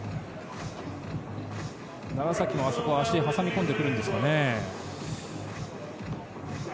楢崎も足で挟み込んでくるんですかね。